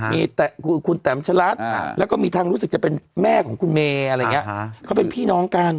มีคุณแตมชะลัดแล้วก็มีทางรู้สึกจะเป็นแม่ของคุณเมย์อะไรอย่างนี้เขาเป็นพี่น้องกัน